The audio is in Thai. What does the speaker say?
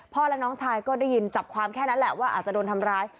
และน้องชายก็ได้ยินจับความแค่นั้นแหละว่าอาจจะโดนทำร้าย